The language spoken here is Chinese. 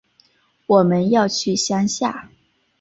我们要去乡下